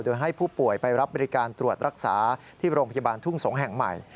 โดยให้ผู้ป่วยไปรับบริการตรวจรักษาที่โรงพยาบาลทุ่งสงศ์แห่งใหม่